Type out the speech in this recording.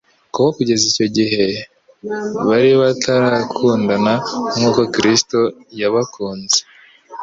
kuko kugeza icyo gihe bari batarakundana nk'uko Kristo yabakunze.